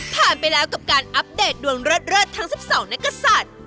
ผ่านไปแล้วกับการอัพเดตดวงเลิศทั้ง๑๒นักกศัษย์